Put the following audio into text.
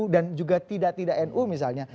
dan juga tidak tidak nu misalnya